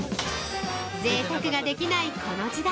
◆ぜいたくができないこの時代。